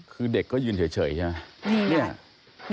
คือเด็กก็ยืนเฉยใช่ไหม